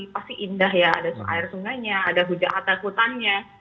pasti indah ya ada air sungainya ada hujan atau hutannya